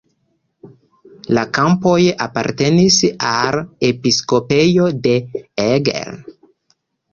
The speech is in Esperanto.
La kampoj apartenis al episkopejo de Eger.